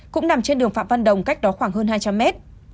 cũng nằm trên đường phạm văn đồng cách đó khoảng hơn hai trăm linh mét